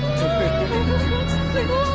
すごい。